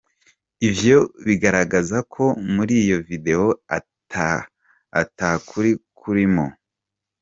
Ivyo bigaragaza ko muri iyo video ata kuri kurimwo.